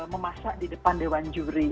memasak di depan dewan juri